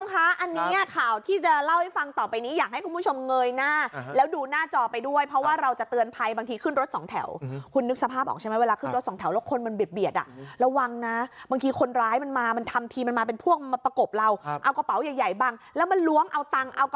คุณผู้ชมคะอันนี้ข่าวที่จะเล่าให้ฟังต่อไปนี้อยากให้คุณผู้ชมเงยหน้าแล้วดูหน้าจอไปด้วยเพราะว่าเราจะเตือนภัยบางทีขึ้นรถสองแถวคุณนึกสภาพออกใช่ไหมเวลาขึ้นรถสองแถวแล้วคนมันเบียดอ่ะระวังนะบางทีคนร้ายมันมามันทำทีมันมาเป็นพวกมาประกบเราเอากระเป๋าใหญ่ใหญ่บังแล้วมันล้วงเอาตังค์เอาก